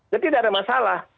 jadi tidak ada masalah